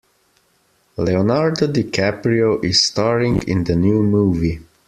Leonardo DiCaprio is staring in the new movie.